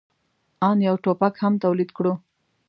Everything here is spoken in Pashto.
آن یو ټوپک هم تولید کړو.